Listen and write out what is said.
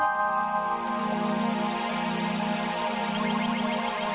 sampai jumpa lagi